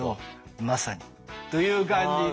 まさにという感じで。